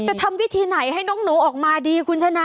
จะทำวิธีไหนให้น้องหนูออกมาดีคุณชนะ